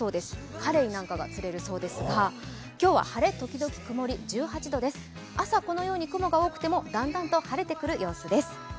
カレイなんかが釣れるそうですが、今日は晴れ時々曇り、１８度です、朝はこのように雲が多くてもだんだんと晴れてくる予想です。